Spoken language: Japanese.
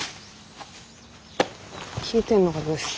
聞いてんのかブス。